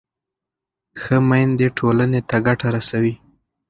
ښه میندې ټولنې ته ګټه رسوي.